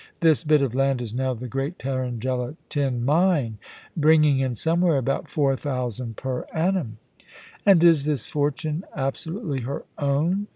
This bit of land is now the great Tarrangella tin mine, bringing in somewhere about four thousand per annum.' * And is this fortune absolutely her own